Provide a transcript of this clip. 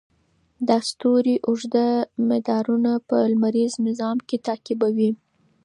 دا ستوري اوږده مدارونه په لمریز نظام کې تعقیبوي.